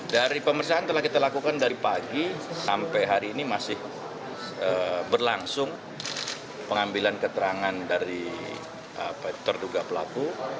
dari pemeriksaan telah kita lakukan dari pagi sampai hari ini masih berlangsung pengambilan keterangan dari terduga pelaku